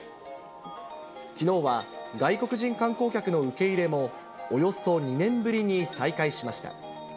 きのうは外国人観光客の受け入れもおよそ２年ぶりに再開しました。